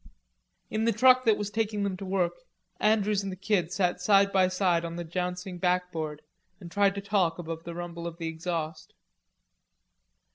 In the truck that was taking them to work, Andrews and the Kid sat side by side on the jouncing backboard and tried to talk above the rumble of the exhaust.